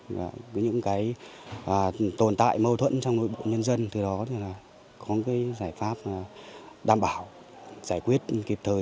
với những tồn tại mâu thuẫn trong nội bộ nhân dân có giải pháp đảm bảo giải quyết kịp thời